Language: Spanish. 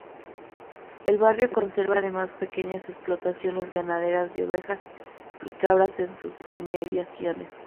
El barrio conserva además pequeñas explotaciones ganaderas de ovejas y cabras en sus inmediaciones.